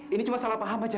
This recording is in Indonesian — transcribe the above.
ini cuma salah paham aja